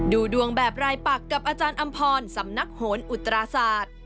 ดูดวงแบบรายปักกับอาจารย์อำพรสำนักโหนอุตราศาสตร์